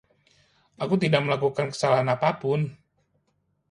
Aku tidak melakukan kesalahan apapun.